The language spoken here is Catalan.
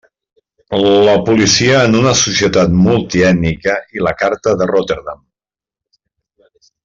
La policia en una societat multi ètnica i la carta de Rotterdam.